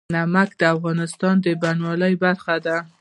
نمک د افغانستان د بڼوالۍ برخه ده.